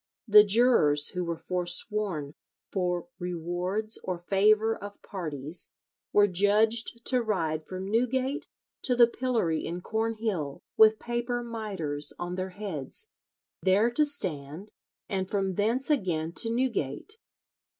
The jurors who were forsworn "for rewards or favour of parties were judged to ride from Newgate to the pillory in Cornhill with paper mitres on their heads, there to stand, and from thence again to Newgate."